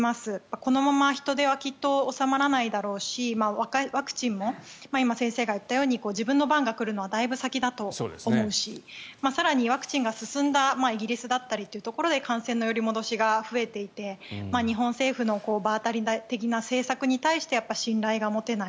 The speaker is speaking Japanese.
このまま人出はきっと収まらないだろうしワクチンも今、先生が言ったように自分の番が来るのはだいぶ先だと思うし更にワクチンが進んだイギリスだったりというところで感染の揺り戻しが増えていて、日本政府の場当たり的な政策に対しても信頼が持てない。